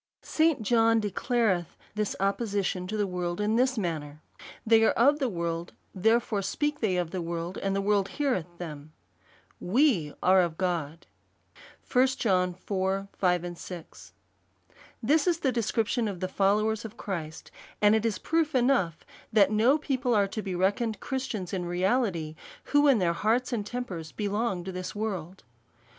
St. John declareth this opposition to the world in this manner, Thej/ are of the world : therefore, speak they of the world, and the world heareth them. fVe are of God, 1 John iv. 5. This is the description of the followers of Christ; and it is proof enough that no people are to be reckoned Christians in reality, who in their hearts and tempers belong to this world.